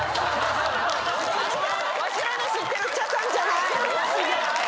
わしらの知ってる茶さんじゃない。